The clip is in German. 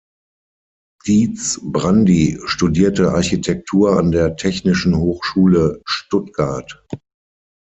Diez Brandi studierte Architektur an der Technischen Hochschule Stuttgart.